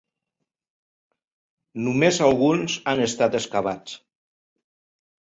Només alguns han estat excavats.